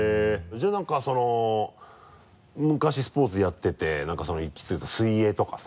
じゃあ何かその昔スポーツやってて何かその息継ぎとか水泳とかさ。